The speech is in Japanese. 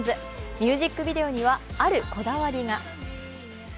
ミュージックビデオにはあるこだわりが。